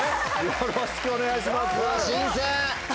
よろしくお願いします。